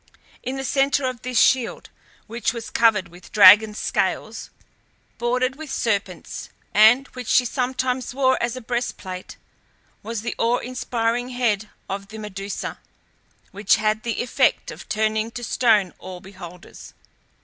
In the centre of this shield, which was covered with dragon's scales, bordered with serpents, and which she sometimes wore as a breastplate, was the awe inspiring head of the Medusa, which had the effect of turning to stone all beholders.